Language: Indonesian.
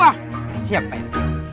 wah siap pak rw